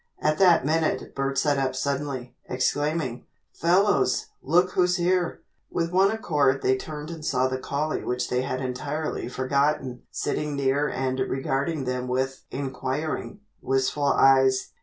At that minute Bert sat up suddenly, exclaiming, "Fellows, look who's here!" With one accord they turned and saw the collie which they had entirely forgotten, sitting near and regarding them with inquiring, wistful eyes.